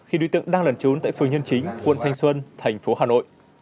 khi đối tượng đang lẩn trốn tại phường nhân chính quận thanh xuân thành phố hà nội